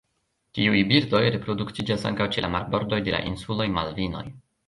Tiuj birdoj reproduktiĝas ankaŭ ĉe la marbordoj de la insuloj Malvinoj.